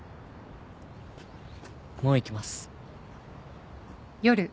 もう行きます。